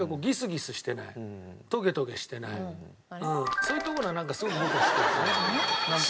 そういうところはなんかすごく僕は好きですね。